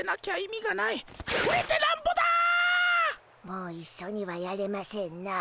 もう一緒にはやれませんな。